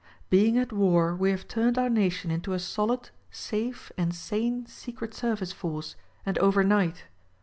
Being at war we have turned our nation into a solid, safe and sane secret service force, and over night.